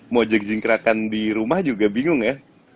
mau jejik rakan di rumah juga bingung ya